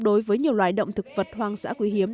đối với nhiều loài động thực vật hoang dã quý hiếm